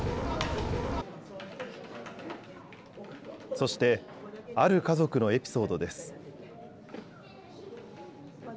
そして、ある家族のエピソードです。